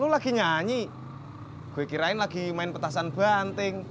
lo lagi nyanyi gue kirain lagi main petasan banting